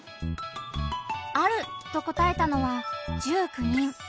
「ある」と答えたのは１９人。